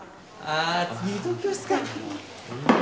あ次移動教室か